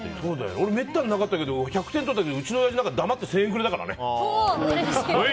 俺、めったになかったけど１００点とった時、親父が黙って１０００円くれたからね。